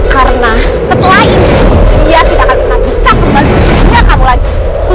karena setelah ini dia tidak akan pernah bisa kembali ke dunia kamu lagi